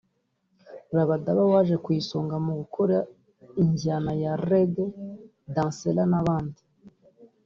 Rabadaba waje ku isonga mu bakora injyana ya Ragga/Dancehall n'abandi